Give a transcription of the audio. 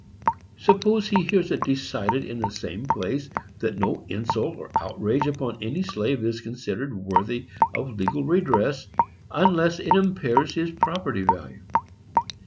Suppose he hears it decided in the same place that no insult or outrage upon any slave is considered worthy of legal redress, unless it impairs his property value.